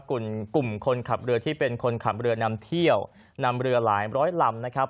กลุ่มกลุ่มคนขับเรือที่เป็นคนขับเรือนำเที่ยวนำเรือหลายร้อยลำนะครับ